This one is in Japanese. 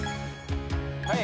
はい